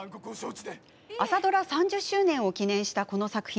朝ドラ３０周年を記念したこの作品。